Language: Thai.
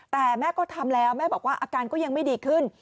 แต่แม่ก็ทำแล้วแม่บอกว่าอาการก็ยังไม่ดีขึ้น